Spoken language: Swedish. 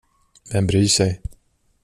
Vem bryr sig?